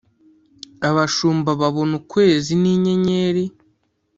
abashumbababona ukwezi n inyenyeri